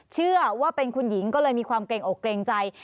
เชื่อว่าเป็นคุณหญิงก็เลยมีความเกรงอกเกรงใจ